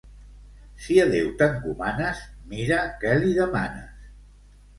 Si a Déu t'encomanes, mira què li demanes.